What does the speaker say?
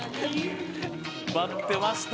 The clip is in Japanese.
待ってました！